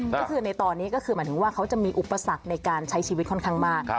ก็คือในตอนนี้ก็คือหมายถึงว่าเขาจะมีอุปสรรคในการใช้ชีวิตค่อนข้างมาก